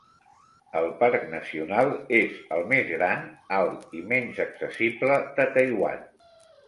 El parc nacional és el més gran, alt i menys accessible de Taiwan.